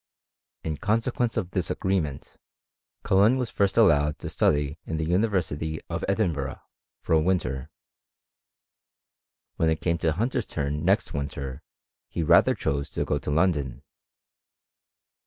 In consequence of this agreement, Cullen was first allowed to study in the University of Edin burgh, for a winter. When it came to Hunter's turn next winter, he rather chose to go to London.